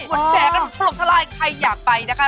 คนแจกกันทะลกทะลายใครอยากไปนะคะ